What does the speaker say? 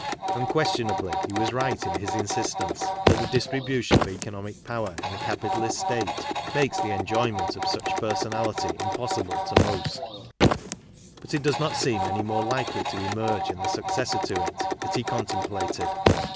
Unquestionably, he was right in his insistence that the distribution of economic power in a capitalist state makes the enjoyment of such personality impossible to most ; but it does not seem any more likely to emerge in the successor to it that he contemplated.